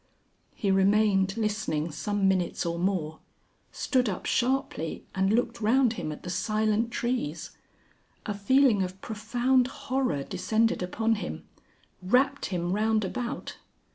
_" He remained listening some minutes or more, stood up sharply, and looked round him at the silent trees. A feeling of profound horror descended upon him, wrapped him round about.